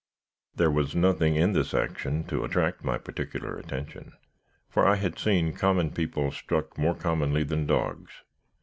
"There was nothing in this action to attract my particular attention, for I had seen common people struck more commonly than dogs.